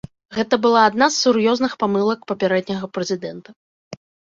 Гэта была адна з сур'ёзных памылак папярэдняга прэзідэнта.